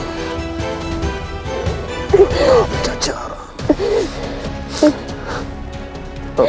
aku akan menjajahkanmu